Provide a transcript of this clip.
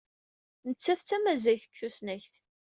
Nettat d tamazzayt deg tusnakt.